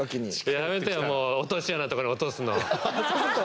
やめてよもう落とし穴のところに落とすの。